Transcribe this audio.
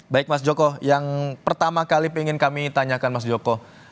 baik mas joko yang pertama kali ingin kami tanyakan mas joko